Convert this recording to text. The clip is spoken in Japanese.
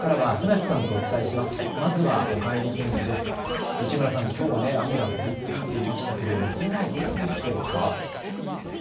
市村さん、きょうは雨が降り続いていましたけれども今はどうでしょうか。